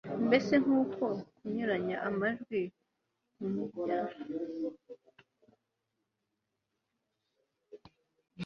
mbese nk'uko kunyuranya amajwi k'umurya w'inanga bihinduka injyana